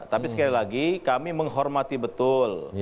tapi sekali lagi kami menghormati betul